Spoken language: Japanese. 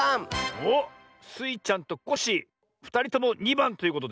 おっ。スイちゃんとコッシーふたりとも２ばんということで。